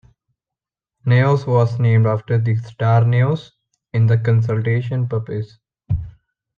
"Naos" was named after the star Naos, in the constellation Puppis.